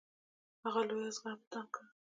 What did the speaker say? هغه لویه زغره په تن کړه.